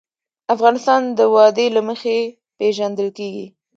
افغانستان د وادي له مخې پېژندل کېږي.